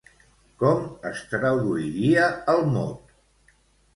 Com es traduiria el mot?